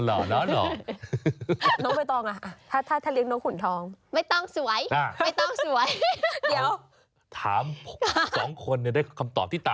เออนกขุนชนะพูดว่าอะไรอะ